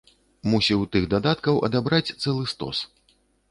Мусіў тых дадаткаў адабраць цэлы стос.